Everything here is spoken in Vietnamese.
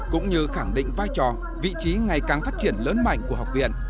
cũng như khẳng định vai trò vị trí ngày càng phát triển lớn mạnh của học viện